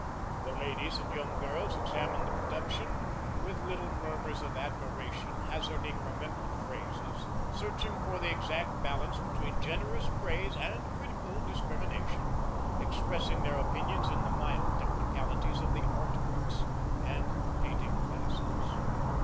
The ladies and young girls examined the production with little murmurs of admiration, hazarding remembered phrases, searching for the exact balance between generous praise and critical discrimination, expressing their opinions in the mild technicalities of the Art Books and painting classes.